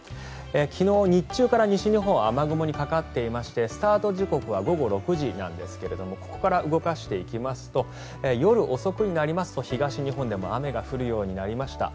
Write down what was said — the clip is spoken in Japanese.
昨日日中から西日本雨雲がかかっていましてスタート時刻は午後６時なんですがここから動かしていきますと夜遅くになりますと東日本でも雨が降るようになりました。